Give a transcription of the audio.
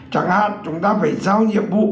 chẳng hạn chúng ta phải giao nhiệm vụ